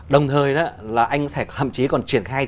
đồng thời là anh hậm chí còn triển khai